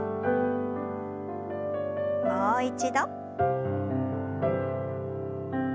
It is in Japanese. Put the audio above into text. もう一度。